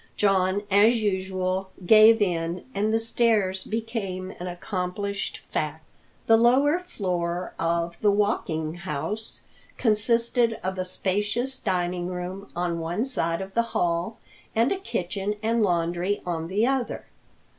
John, as usual, gave in and the stairs became an accomplished fact. The lower floor of the Walking House consisted of a spacious dining room on one side of the hall and a kitchen and laundry on the other.